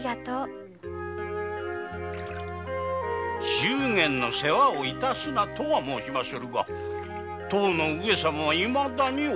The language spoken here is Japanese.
祝言の世話を致すなとは申しませぬが上様はいまだにお独り。